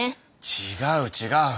違う違う。